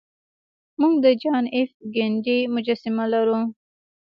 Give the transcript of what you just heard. موږ د جان ایف کینیډي مجسمه لرو